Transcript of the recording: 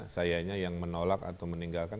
sayanya yang menolak atau meninggalkan